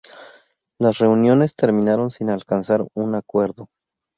Las reuniones terminaron sin alcanzar un acuerdo.